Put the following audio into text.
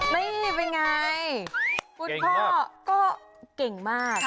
นี่เป็นไงคุณพ่อก็เก่งมาก